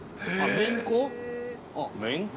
◆めんこ。